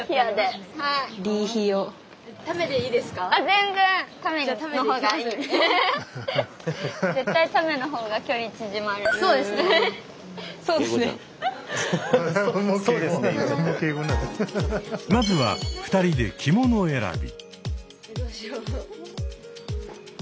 全然まずは２人で着物選び。